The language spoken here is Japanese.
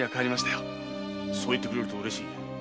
そう言ってくれると嬉しい。